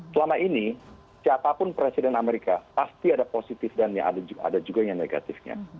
selama ini siapapun presiden amerika pasti ada positif dan ada juga yang negatifnya